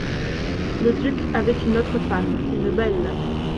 Le duc avait une autre femme, une belle.